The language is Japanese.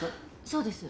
そうです。